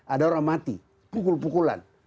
ada orang mati pukul pukulan